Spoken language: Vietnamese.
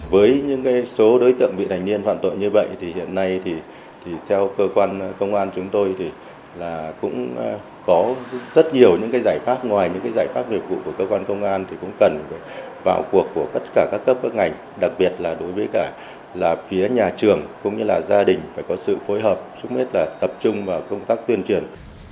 với những số đối tượng bị thành niên hoạn tội như vậy thì hiện nay thì theo cơ quan công an chúng tôi thì là cũng có rất nhiều những cái giải pháp ngoài những cái giải pháp liệu cụ của cơ quan công an thì cũng cần vào cuộc của tất cả các cấp các ngành đặc biệt là đối với cả là phía nhà trường cũng như là gia đình phải có sự phối hợp chúng biết là tập trung vào công tác tuyên truyền